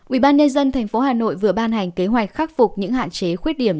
ubnd tp hà nội vừa ban hành kế hoạch khắc phục những hạn chế khuyết điểm